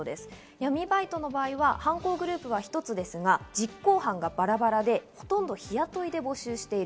闇バイトの場合は犯行グループは１つですが、実行犯がバラバラで、ほとんど日雇いで募集している。